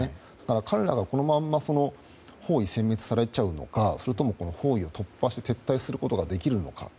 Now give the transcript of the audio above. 彼らがこのまま包囲殲滅されちゃうのかそれとも包囲を突破して撤退することができるのか。